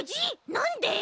なんで！？